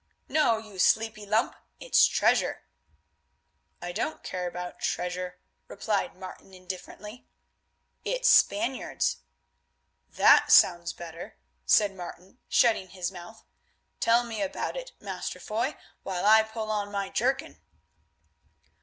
"No, you sleepy lump, it's treasure." "I don't care about treasure," replied Martin, indifferently. "It's Spaniards." "That sounds better," said Martin, shutting his mouth. "Tell me about it, Master Foy, while I pull on my jerkin."